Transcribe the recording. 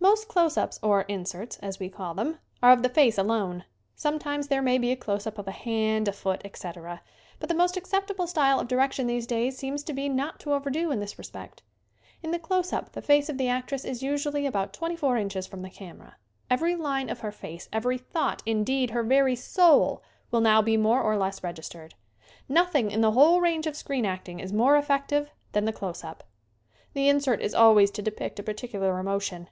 Most close ups, or inserts, as we call them, are of the face alone. Sometimes there may be a close up of a hand, a foot, etc., but the most acceptable style of direction these days seems to be not to overdo in this respect. In the close up the face of the actress is usually about 24 inches from the camera. Every line of her face, every thought, indeed, her very soul, will now be more or less regis tered. Nothing, in the whole range of screen acting, is more effective than the close up. The insert is always to depict a particular emotion.